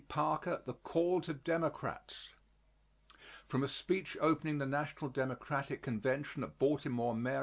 PARKER_ THE CALL TO DEMOCRATS From a speech opening the National Democratic Convention at Baltimore, Md.